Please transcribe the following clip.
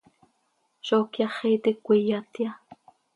¿Zó cyaxi iti cöquíyatya?